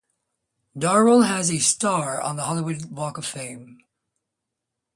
Darwell has a star on the Hollywood Walk of Fame.